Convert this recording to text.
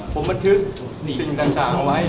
ผมบันทึกสิ่งต่างเอาไว้